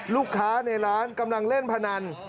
ลูกค้าในร้านกำลังเล่นพนัน